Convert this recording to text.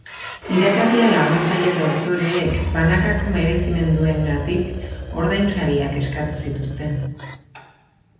Irakasle laguntzaile doktoreek banakako merezimenduengatik ordainsariak eskatu zituzten.